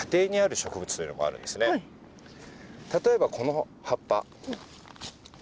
例えばこの葉っぱ。